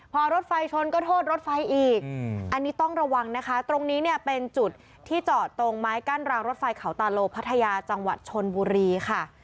พอรถไฟชนก็โทษรถไฟอีกอันนี้ต้องระวังนะคะตรงนี้เนี่ยเป็นจุดที่จอดตรงไม้กั้นรางรถไฟเขาตาโลพัทยาจังหวัดชนบุรีค่ะ